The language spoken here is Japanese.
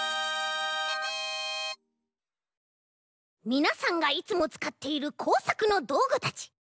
みなさんがいつもつかっているこうさくのどうぐたち。